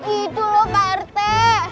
itu loh berte